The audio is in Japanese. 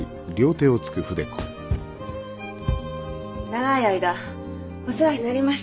長い間お世話になりました。